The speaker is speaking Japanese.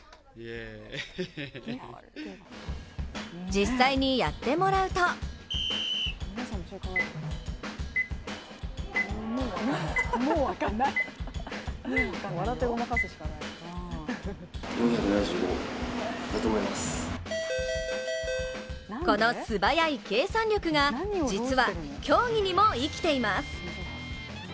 実際にやってもらうとこの素早い計算力が実は、競技にも生きています。